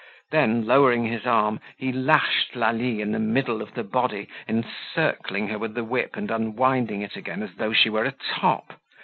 Then, lowering his arm he lashed Lalie in the middle of the body, encircling her with the whip and unwinding it again as though she were a top.